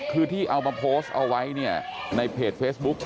คือที่เอามาโพสเอาไว้ในเพจเฟซบุ๊ค